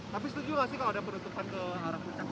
tapi setuju nggak sih kalau ada penutupan ke arah puncak